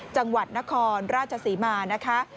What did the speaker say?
จังหวัดนครราชศรีมานะคะ